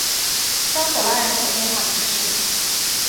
桑德拉人口变化图示